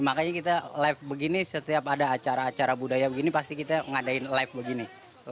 makanya kita live begini setiap ada acara acara budaya begini pasti kita ngadain live begini